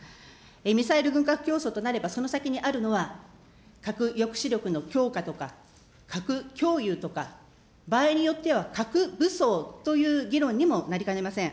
ミサイル軍拡競争となれば、その先にあるのは、核抑止力の強化とか、核共有とか、場合によっては核武装という議論にもなりかねません。